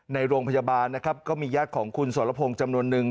ในโรงพยาบาลมีญาติของคุณสรพงษ์จำนวนหนึ่ง